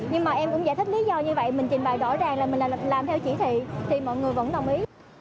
nhưng mà em cũng giải thích lý do như vậy mình trình bày rõ ràng là mình làm theo chỉ thị thì mọi người vẫn đồng ý